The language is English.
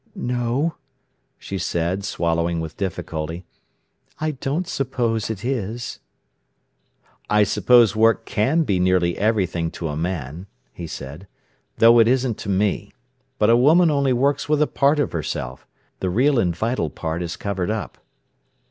"No," she said, swallowing with difficulty; "I don't suppose it is." "I suppose work can be nearly everything to a man," he said, "though it isn't to me. But a woman only works with a part of herself. The real and vital part is covered up."